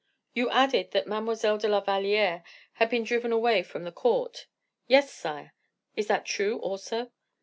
"You added that Mademoiselle de la Valliere had been driven away from the court." "Yes, sire." "Is that true, also?"